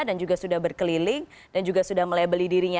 dan juga sudah berkeliling dan juga sudah melabel dirinya